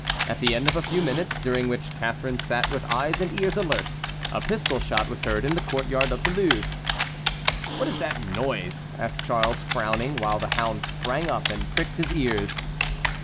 At the end of a few minutes, during which Catharine sat with eyes and ears alert, a pistol shot was heard in the courtyard of the Louvre. "What is that noise?" asked Charles, frowning, while the hound sprang up and pricked his ears.